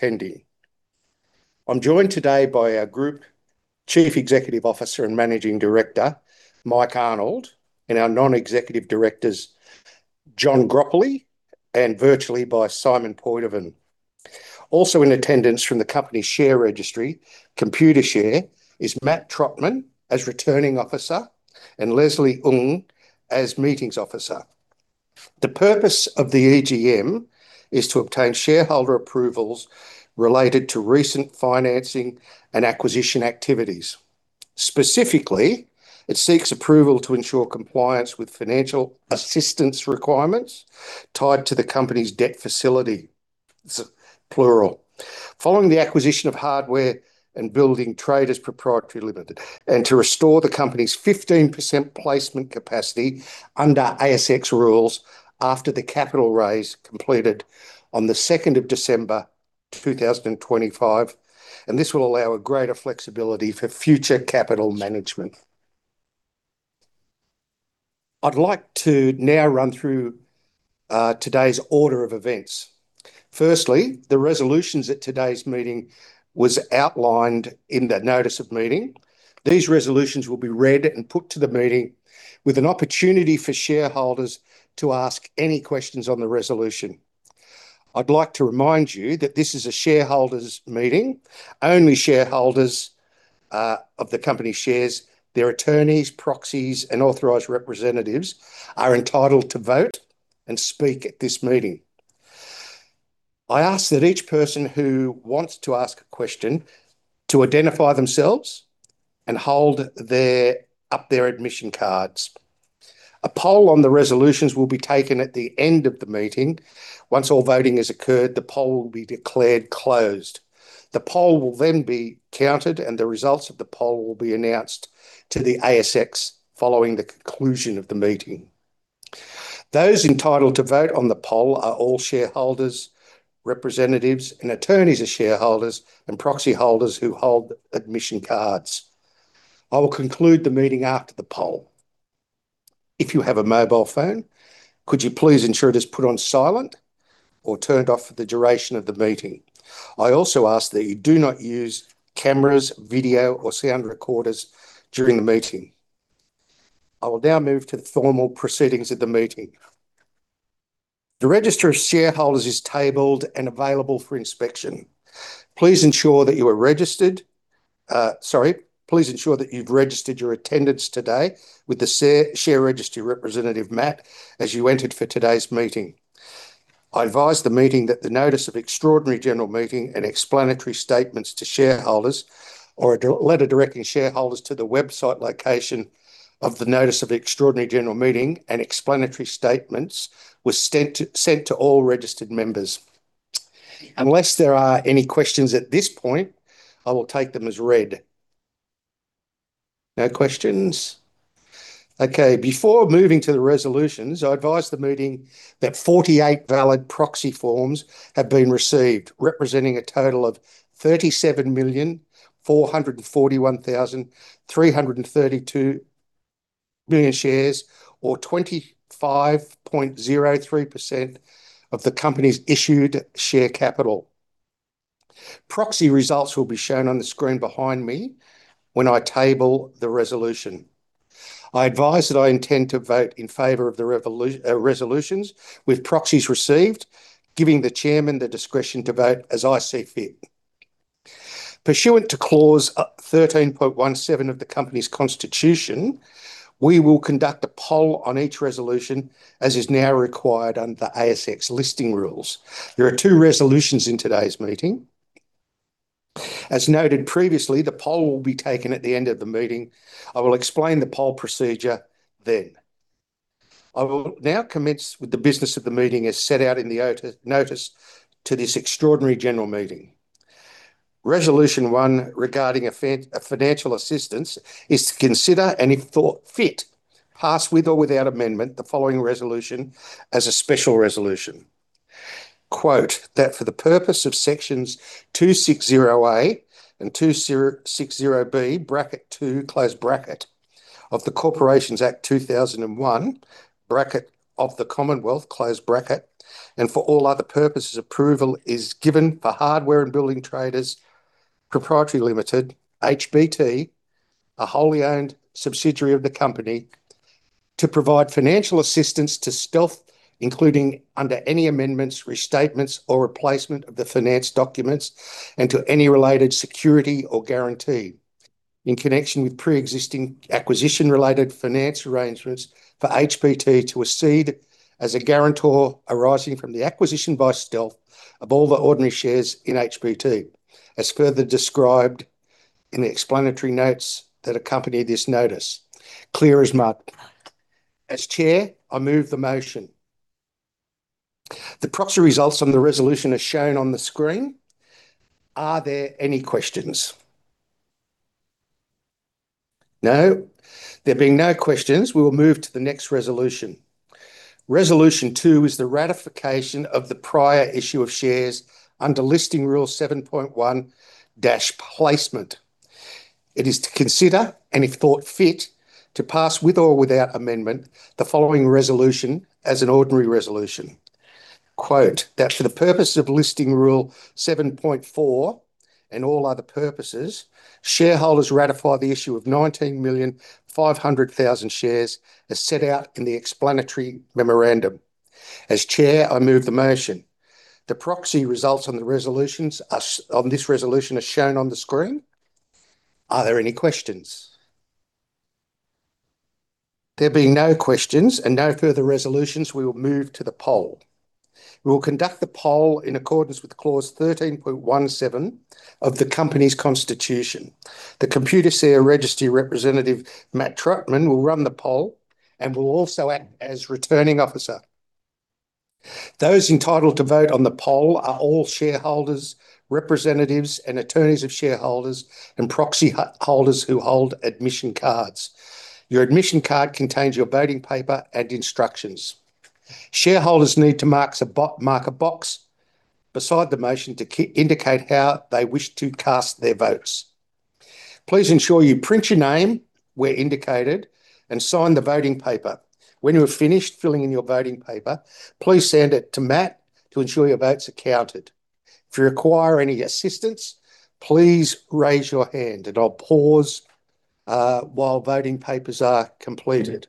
Thank you for attending. I'm joined today by our Group Chief Executive Officer and Managing Director, Mike Arnold, and our Non-Executive Directors, John Groppoli, and virtually by Simon Poidevin. Also in attendance from the company share registry, Computershare, is Matt Trotman as Returning Officer and Leslie Ung as Meetings Officer. The purpose of the EGM is to obtain shareholder approvals related to recent financing and acquisition activities. Specifically, it seeks approval to ensure compliance with financial assistance requirements tied to the company's debt facility. It's plural. Following the acquisition of Hardware & Building Traders Proprietary Limited, and to restore the company's 15% placement capacity under ASX rules after the capital raise completed on the 2nd of December 2025. This will allow a greater flexibility for future capital management. I'd like to now run through today's order of events. Firstly, the resolutions at today's meeting was outlined in the notice of meeting. These resolutions will be read and put to the meeting with an opportunity for shareholders to ask any questions on the resolution. I'd like to remind you that this is a shareholders' meeting. Only shareholders of the company shares, their attorneys, proxies, and authorized representatives are entitled to vote and speak at this meeting. I ask that each person who wants to ask a question to identify themselves and hold up their admission cards. A poll on the resolutions will be taken at the end of the meeting. Once all voting has occurred, the poll will be declared closed. The poll will then be counted, and the results of the poll will be announced to the ASX following the conclusion of the meeting. Those entitled to vote on the poll are all shareholders, representatives, and attorneys of shareholders and proxy holders who hold admission cards. I will conclude the meeting after the poll. If you have a mobile phone, could you please ensure it is put on silent or turned off for the duration of the meeting? I also ask that you do not use cameras, video or sound recorders during the meeting. I will now move to the formal proceedings of the meeting. The register of shareholders is tabled and available for inspection. Please ensure that you've registered your attendance today with the share registry representative, Matt, as you entered for today's meeting. I advise the meeting that the notice of Extraordinary General Meeting and explanatory statements to shareholders, or a letter directing shareholders to the website location of the notice of the Extraordinary General Meeting and explanatory statements was sent to all registered members. Unless there are any questions at this point, I will take them as read. No questions? Before moving to the resolutions, I advise the meeting that 48 valid proxy forms have been received, representing a total of 37,441,332 shares, or 25.03% of the company's issued share capital. Proxy results will be shown on the screen behind me when I table the resolution. I advise that I intend to vote in favor of the resolutions with proxies received, giving the Chairman the discretion to vote as I see fit. Pursuant to Clause 13.17 of the company's constitution, we will conduct a poll on each resolution, as is now required under the ASX Listing Rules. There are two resolutions in today's meeting. As noted previously, the poll will be taken at the end of the meeting. I will explain the poll procedure then. I will now commence with the business of the meeting as set out in the notice to this Extraordinary General Meeting. Resolution one regarding financial assistance is to consider, and if thought fit, pass with or without amendment the following resolution as a special resolution- "That for the purpose of Sections 260A and 260B of the Corporations Act 2001, and for all other purposes approval is given for Hardware & Building Traders Proprietary Limited, HBT, a wholly owned subsidiary of the company, to provide financial assistance to Stealth, including under any amendments, restatements or replacement of the finance documents and to any related security or guarantee in connection with pre-existing acquisition-related finance arrangements for HBT to accede as a guarantor arising from the acquisition by Stealth of all the ordinary shares in HBT, as further described in the explanatory notes that accompany this notice." Clear as mud. As Chair, I move the motion. The proxy results on the resolution are shown on the screen. Are there any questions? No. There being no questions, we will move to the next resolution. Resolution two is the ratification of the prior issue of shares under Listing Rule 7.1-Placement. It is to consider, and if thought fit, to pass with or without amendment, the following resolution as an ordinary resolution- "That for the purpose of Listing Rule 7.4 and all other purposes, shareholders ratify the issue of 19,500,000 shares as set out in the explanatory memorandum." As chair, I move the motion. The proxy results on this resolution are shown on the screen. Are there any questions? There being no questions and no further resolutions, we will move to the poll. We will conduct the poll in accordance with Clause 13.17 of the company's constitution. The Computershare Registry representative, Matt Trotman, will run the poll and will also act as returning officer. Those entitled to vote on the poll are all shareholders, representatives, and attorneys of shareholders and proxy holders who hold admission cards. Your admission card contains your voting paper and instructions. Shareholders need to mark a box beside the motion to indicate how they wish to cast their votes. Please ensure you print your name where indicated and sign the voting paper. When you have finished filling in your voting paper, please send it to Matt to ensure your votes are counted. If you require any assistance, please raise your hand, and I'll pause while voting papers are completed.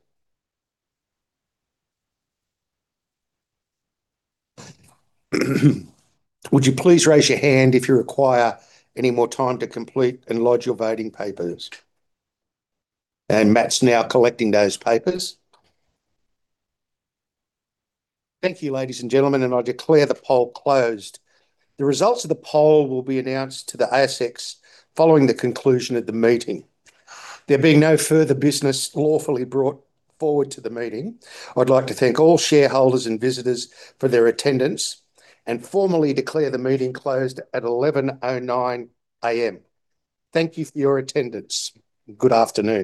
Would you please raise your hand if you require any more time to complete and lodge your voting papers? Matt's now collecting those papers. Thank you, ladies and gentlemen, and I declare the poll closed. The results of the poll will be announced to the ASX following the conclusion of the meeting. There being no further business lawfully brought forward to the meeting, I'd like to thank all shareholders and visitors for their attendance and formally declare the meeting closed at 11:09 A.M. Thank you for your attendance. Good afternoon